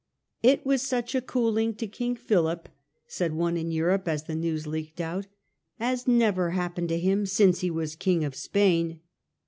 " It was such a cooling to King Philip," said one in Europe as the news leaked out, " as never happened to him since he was King of Spain."